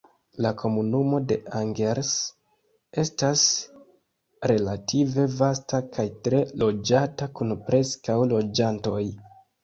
La komunumo de Angers estas relative vasta kaj tre loĝata kun preskaŭ loĝantoj.